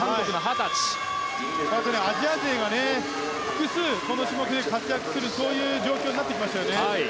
アジア勢が複数、この種目で活躍するそういう状況になってきました。